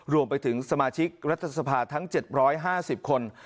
รวมไปถึงสมาชิกรัฐสภาทั้ง๗๕๐คน